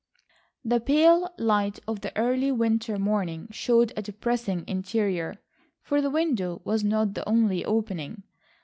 The pale light of the early winter morning showed a depressing interior, for the window was not the only opening.